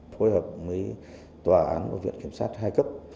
phối hợp với tòa án và viện kiểm sát hai cấp